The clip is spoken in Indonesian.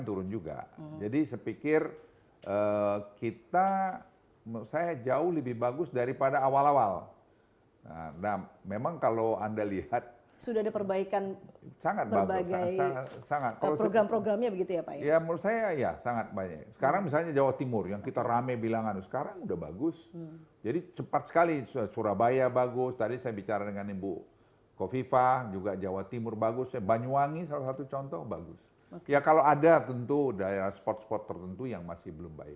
tadi ada menteri keuangan ada menteri